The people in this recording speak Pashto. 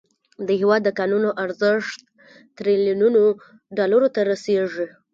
د هیواد د کانونو ارزښت تریلیونونو ډالرو ته رسیږي.